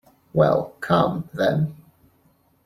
Well, come, then.